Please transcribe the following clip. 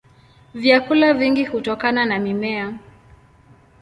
Vyakula vingi hutokana na mimea.